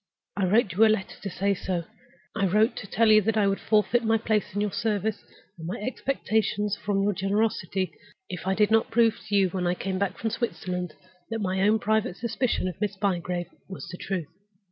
I wrote you a letter to say so—I wrote to tell you that I would forfeit my place in your service, and my expectations from your generosity, if I did not prove to you when I came back from Switzerland that my own private suspicion of Miss Bygrave was the truth.